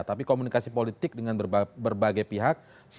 tapi komunikasi politik dengan berbagai pihak